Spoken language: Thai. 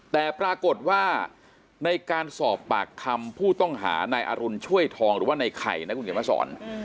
แต่ปรากฏว่าในการสอบปากคำผู้ต้องหานายอรุณช่วยทองหรือว่าในไข่นะคุณเขียนมาสอน